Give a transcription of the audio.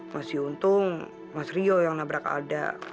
mas yuntung mas rio yang nabrak alda